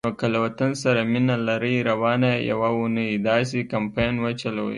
نو که له وطن سره مینه لرئ، روانه یوه اونۍ داسی کمپاین وچلوئ